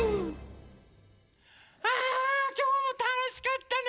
ああきょうもたのしかったね